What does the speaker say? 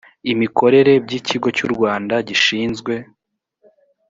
imikorere by ikigo cy u rwanda gishinzwe